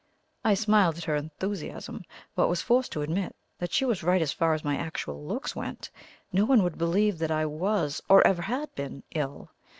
I smiled at her enthusiasm, but was forced to admit that she was right as far as my actual looks went. No one would believe that I was, or ever had been, ill.